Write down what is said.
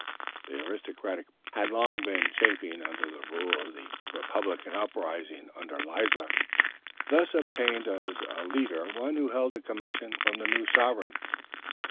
The aristocratic party, which had long been chafing under the rule of the republican uprising under Leisler, thus obtained as a leader one who held a commission from the new sovereign.